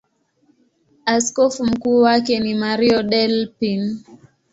Askofu mkuu wake ni Mario Delpini.